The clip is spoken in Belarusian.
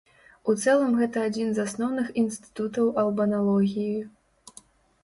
У цэлым гэта адзін з асноўных інстытутаў албаналогіі.